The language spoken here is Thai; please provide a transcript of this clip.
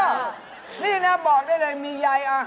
เอาของแดมมาชนของสวยอย่างงานตรงนี้ครับคุณแม่ตั๊ก